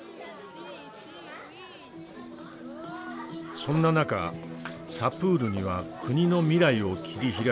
そんな中「サプールには国の未来を切り開く力がある」